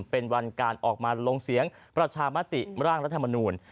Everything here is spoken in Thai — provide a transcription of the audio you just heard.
เป็นวันการออกมาลงเสียงประชามติร่างรัฐมนูล